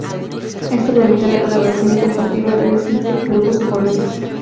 Esto permite la colaboración y compartir horarios entre grupos o familias.